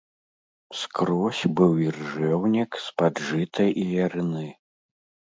Скрозь быў іржэўнік з-пад жыта і ярыны.